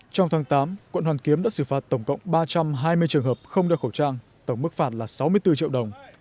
trong tháng tám quận hoàn kiếm đã xử phạt tổng cộng ba trăm hai mươi trường hợp không đeo khẩu trang tổng mức phạt là sáu mươi bốn triệu đồng